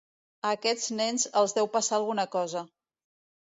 A aquests nens els deu passar alguna cosa.